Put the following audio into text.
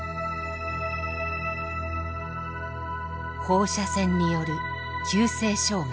放射線による急性障害。